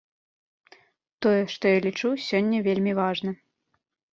Тое, што я лічу, сёння вельмі важна.